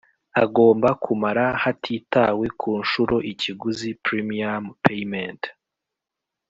agomba kumara hatitawe ku nshuro ikiguzi premium payment